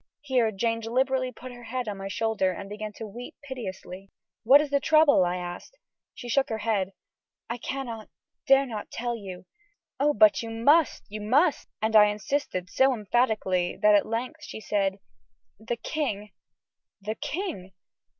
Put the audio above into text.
Here Jane deliberately put her head on my shoulder and began to weep piteously. "What is the trouble?" I asked. She shook her head: "I cannot, dare not tell you." "Oh! but you must, you must," and I insisted so emphatically that she at length said: "The king!" "The king!